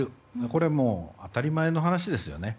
これはもう当たり前の話ですね。